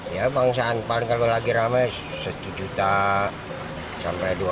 ya bangsa anpan kalau lagi rame satu juta sampai dua belas lima